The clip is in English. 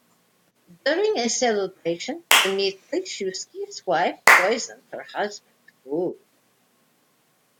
During a celebration, Dmitriy Shuisky's wife poisoned her husband's food.